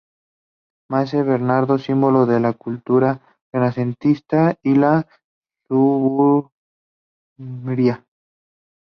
Maese Bernardo: Símbolo de la cultura renacentista y la sabiduría.